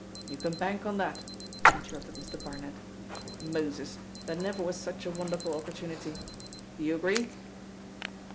"You can bank on that," interrupted Mr. Barnet. "Moses! There never was such a wonderful opportunity! Do you agree?"